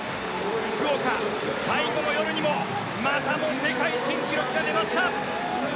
福岡最後の夜にもまたも世界新記録が出ました。